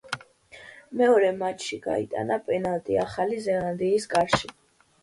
მეორე მატჩში გაიტანა პენალტი ახალი ზელანდიის კარში.